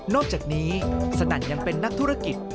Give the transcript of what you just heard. อกจากนี้สนั่นยังเป็นนักธุรกิจ